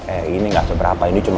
eh ini gak seberapa ini cuma